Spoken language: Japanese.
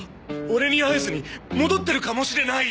オレに会えずに戻ってるかもしれない！